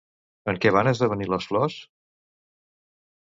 En què van esdevenir les flors?